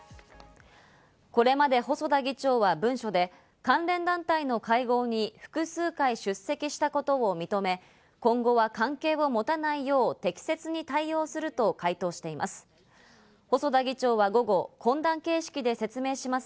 これまで細田議長は文書で、関連団体の会合に複数回出席したことを認め、今後は関係を持たないよう、適切に対応すると回答しています。